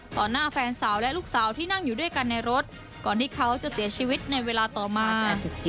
หน้าแฟนสาวและลูกสาวที่นั่งอยู่ด้วยกันในรถก่อนที่เขาจะเสียชีวิตในเวลาต่อมา